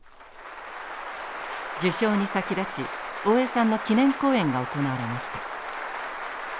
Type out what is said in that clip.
受賞に先立ち大江さんの記念講演が行われました。